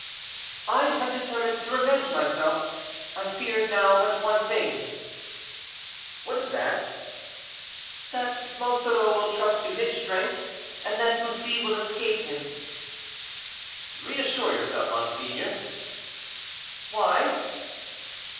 "I have determined to revenge myself; I fear now but one thing." "What is that?" "That Monsoreau will trust to his strength, and that Bussy will escape him." "Reassure yourself, monseigneur." "Why?"